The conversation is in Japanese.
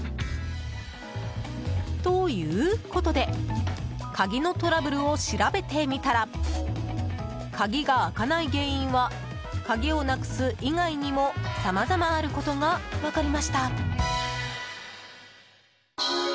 ということで鍵のトラブルを調べてみたら鍵が開かない原因は鍵をなくす以外にもさまざまあることが分かりました。